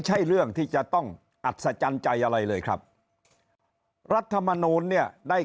ใช่เรื่องที่จะต้องอัศจรรย์ใจอะไรเลยครับรัฐมนูลเนี่ยได้